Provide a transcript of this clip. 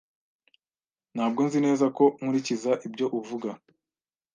Ntabwo nzi neza ko nkurikiza ibyo uvuga.